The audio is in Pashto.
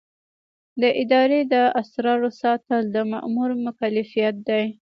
د ادارې د اسرارو ساتل د مامور مکلفیت دی.